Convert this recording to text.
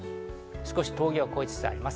少し峠を越えつつあります。